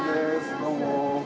どうも。